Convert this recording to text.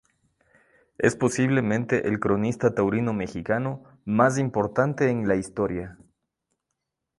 Es posiblemente, el cronista taurino mexicano, más importante en la historia.